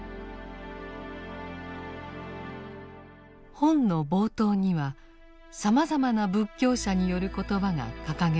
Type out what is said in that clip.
本の冒頭にはさまざまな仏教者による言葉が掲げられています。